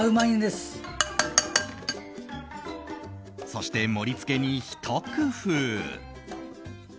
そして、盛り付けにひと工夫。